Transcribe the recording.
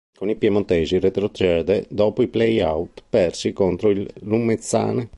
Con i piemontesi retrocede dopo i play-out persi contro il Lumezzane.